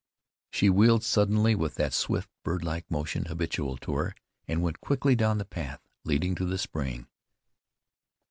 She wheeled suddenly with that swift bird like motion habitual to her, and went quickly down the path leading to the spring.